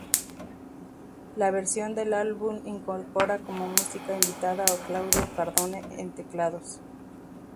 La versión del álbum incorpora como músico invitado a Claudio Cardone en teclados.